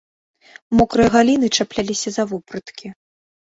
Мокрыя галіны чапляліся за вопраткі.